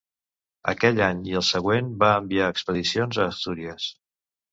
Aquell any i el següent va enviar expedicions a Astúries.